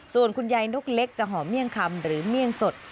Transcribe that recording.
ส่วนคุณยายนกเล็กจะหอมเมี่ยงคำหรือเมี่ยงสด